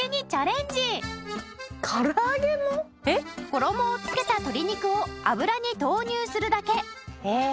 衣をつけた鶏肉を油に投入するだけ。